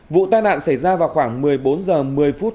vụ tai nạn xảy ra vào khoảng một mươi bốn h một mươi phút